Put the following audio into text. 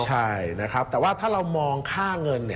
ใช่นะครับแต่ว่าถ้าเรามองค่าเงิน